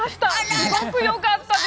すごく良かったです。